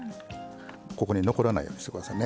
ここに残らないようにしてくださいね。